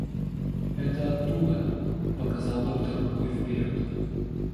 — Это оттуда, — показал доктор рукой вперед.